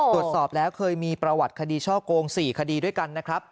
ตรวจสอบแล้วเคยมีประวัติคดีช่อโกง๔คดีด้วยกันนะครับ